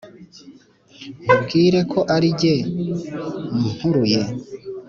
nkubwire ko ari jye mpuruye,